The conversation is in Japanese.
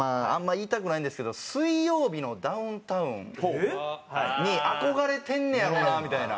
言いたくないんですけど『水曜日のダウンタウン』に憧れてんねやろなみたいな。